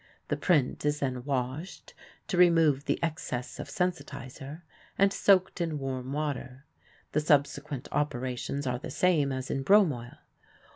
The print is then washed to remove the excess of sensitizer, and soaked in warm water; the subsequent operations are the same as in bromoil.